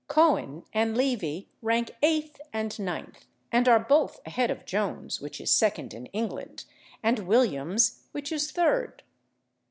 /Cohen/ and /Levy/ rank eighth and ninth, and are both ahead of /Jones/, which is second in England, and /Williams/, which is third.